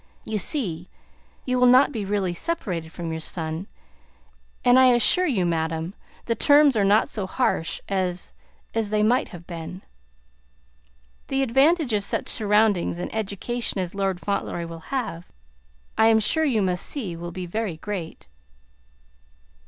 You see you will not be really separated from your son, and I assure you, madam, the terms are not so harsh as as they might have been. The advantage of such surroundings and education as Lord Fauntleroy will have, I am sure you must see, will be very great."